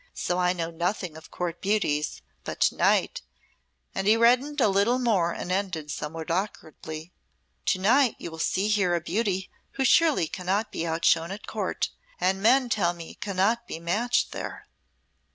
So I know nothing of Court beauties, but to night " and he reddened a little more and ended somewhat awkwardly "to night you will see here a beauty who surely cannot be outshone at Court, and men tell me cannot be matched there."